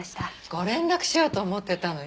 ご連絡しようと思ってたのよ。